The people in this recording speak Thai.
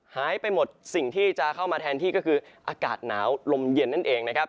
หายไปหมดสิ่งที่จะเข้ามาแทนที่ก็คืออากาศหนาวลมเย็นนั่นเองนะครับ